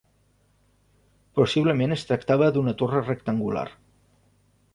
Possiblement es tractava d'una torre rectangular.